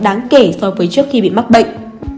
đáng kể so với trước khi bị mắc bệnh